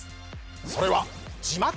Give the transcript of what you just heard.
それは。